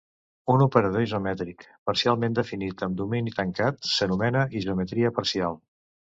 Un operador isomètric parcialment definit amb domini tancat s'anomena isometria parcial.